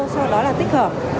sau đó là tích hợp